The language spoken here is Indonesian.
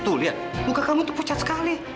tuh lihat muka kamu tuh pucat sekali